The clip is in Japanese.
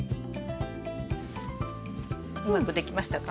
うまくできましたか？